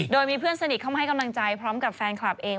โดยมีเพื่อนสนิทเข้ามาให้กำลังใจพร้อมกับแฟนคลับเอง